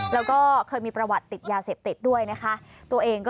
แล้วก็เคยมีประวัติติดยาเสพติดด้วยนะคะตัวเองก็